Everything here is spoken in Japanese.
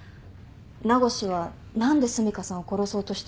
名越は何で澄香さんを殺そうとしたのか。